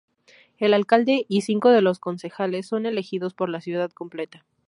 El alcalde y cinco de los concejales son elegidos por la ciudad completa.